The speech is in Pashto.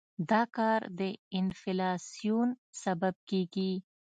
دا کار د انفلاسیون سبب کېږي.